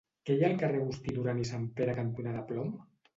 Què hi ha al carrer Agustí Duran i Sanpere cantonada Plom?